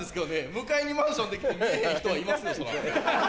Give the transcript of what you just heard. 向かいにマンション出来て見えへん人はいますよそら。